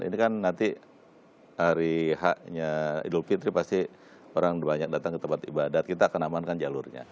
ini kan nanti hari haknya idul fitri pasti orang banyak datang ke tempat ibadat kita akan amankan jalurnya